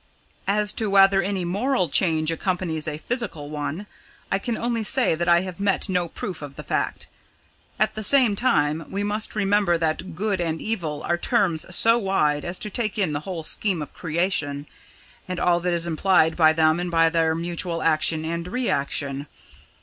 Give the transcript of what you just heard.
As to whether any moral change accompanies a physical one, I can only say that I have met no proof of the fact. At the same time, we must remember that 'good' and 'evil' are terms so wide as to take in the whole scheme of creation, and all that is implied by them and by their mutual action and reaction.